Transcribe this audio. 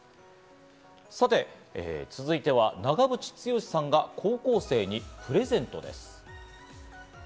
さて続いては長渕剛さんが高校生にプレゼントです。